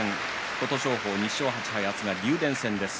琴勝峰は２勝８敗明日は竜電戦です。